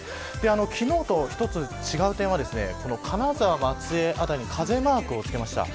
昨日と一つ違う点は金沢、松江あたりに風マークをつけました。